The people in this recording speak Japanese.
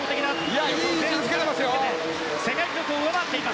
世界記録を上回っている。